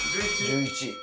１１。